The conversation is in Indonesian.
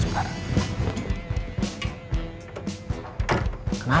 sebentar sebentar sebentar